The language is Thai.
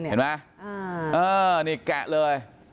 เนี่ยนี่กะเลย